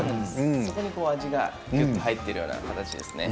そこに味がきゅっと入ってるような形ですね。